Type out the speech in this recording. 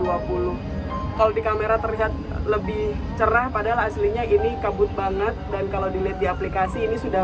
kalau kamera terlihat lebih cerah padahal dua puluh tiga kaput banget dan kalau di aplikasi ini sudah